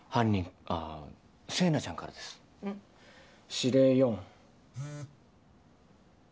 「指令４」。